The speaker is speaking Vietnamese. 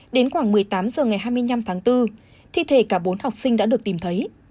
đến khoảng một mươi tám h ngày hai mươi năm tháng bốn thi thể cả bốn học sinh đã được tìm thấy